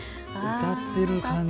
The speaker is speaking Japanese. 歌っている感じ。